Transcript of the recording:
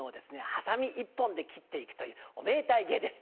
ハサミ１本で切っていくというおめでたい芸です。